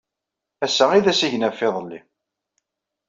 Assa i d asigna ɣef yiḍelli.